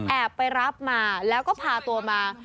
ไปรับมาแล้วก็พาตัวมา